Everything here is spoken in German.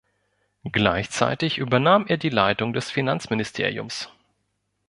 Gleichzeitig übernahm er die Leitung des Finanzministeriums.